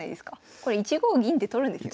これ１五銀で取るんですよね？